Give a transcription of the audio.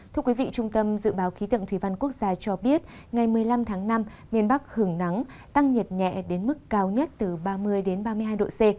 thưa quý vị trung tâm dự báo khí tượng thủy văn quốc gia cho biết ngày một mươi năm tháng năm miền bắc hưởng nắng tăng nhiệt nhẹ đến mức cao nhất từ ba mươi ba mươi hai độ c